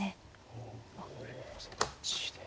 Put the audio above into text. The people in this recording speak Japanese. おおそっちで。